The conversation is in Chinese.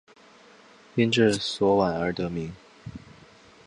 因治所在宛而得名。